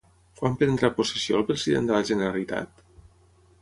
Quan prendrà possessió el president de la Generalitat?